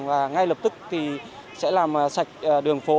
và ngay lập tức thì sẽ làm sạch sẽ